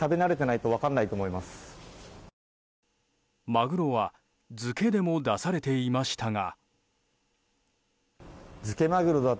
マグロは漬けでも出されていましたが。